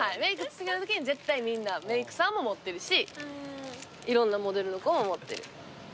絶対みんなメークさんも持ってるしいろんなモデルの子も持ってる。